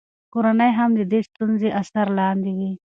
کورنۍ هم د دې ستونزو اثر لاندې وي.